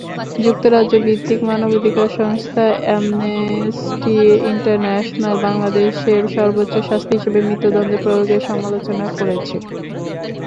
যুক্তরাজ্যভিত্তিক মানবাধিকার সংস্থা amnesty international বাংলাদেশে সর্বোচ্চ শাস্তি হিসেবে মৃত্যুদণ্ডের প্রয়োগের সমালোচনা করেছে।